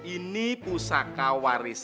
ini sebuah buah jenis